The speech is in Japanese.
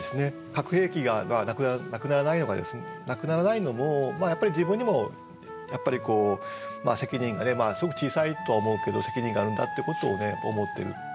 核兵器がなくならないのも自分にもやっぱり責任がねすごく小さいとは思うけど責任があるんだってことをね思ってる。